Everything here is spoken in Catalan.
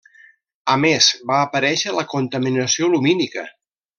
A més, va aparéixer la contaminació lumínica.